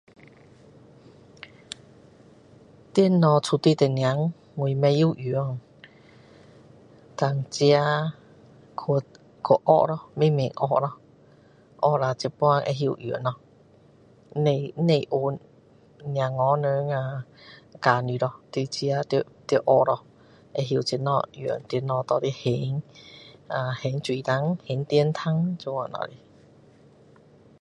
电脑出来的时候我不会用胆自己去学咯慢慢学咯学了现在会用咯不用不用指望小孩们啊教你咯就自己要学咯学了知道怎样用电脑拿来还水单还电单这样的